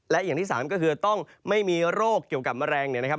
และอย่างที่สามก็คือต้องไม่มีโรคเกี่ยวกับแมลงเนี่ยนะครับ